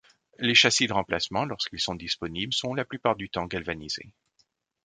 Les châssis de remplacement, lorsqu'ils sont disponibles, sont la plupart du temps galvanisés.